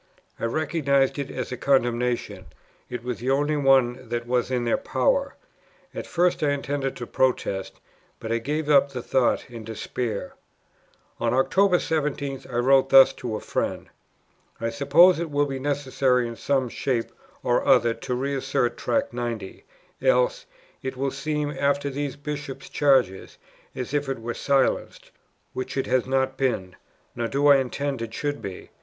I recognized it as a condemnation; it was the only one that was in their power. At first I intended to protest; but I gave up the thought in despair. On October 17th, I wrote thus to a friend: "I suppose it will be necessary in some shape or other to re assert Tract 90; else, it will seem, after these Bishops' Charges, as if it were silenced, which it has not been, nor do I intend it should be.